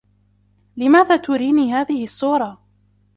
لماذا تريني هذه الصّورة؟